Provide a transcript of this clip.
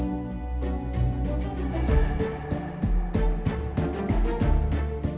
kami sebagai orang tua berhak atas milik anak kami